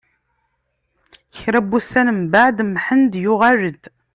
Kra n wussan mbeɛd, Mḥend yuɣal-d.